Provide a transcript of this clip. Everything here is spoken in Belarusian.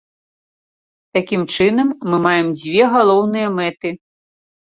Такім чынам, мы маем дзве галоўныя мэты.